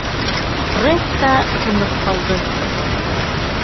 Фред та тынып ҡалды.